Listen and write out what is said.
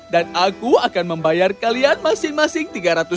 dan aku akan membayar kalian masing masing tiga ratus koin perah sebulan